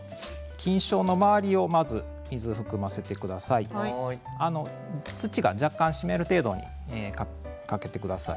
菌床の周りを、まず水を含ませてください。